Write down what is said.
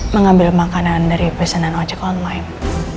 mengambil makanan dari pesanan ojek online